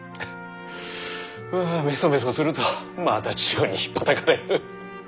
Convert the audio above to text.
わあめそめそするとまた千代にひっぱたかれる。